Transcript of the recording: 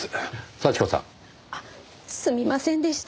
幸子さん。あっすみませんでした。